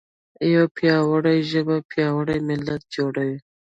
یوه پیاوړې ژبه پیاوړی ملت جوړوي.